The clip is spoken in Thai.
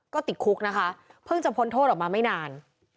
ก็ติดคุกนะคะเพิ่งจะพ้นโทษออกมาไม่นาน